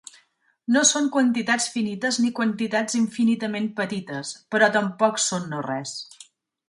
No són quantitats finites ni quantitats infinitament petites, però tampoc són no-res.